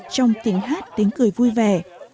trong tiếng hát tiếng cười vui vẻ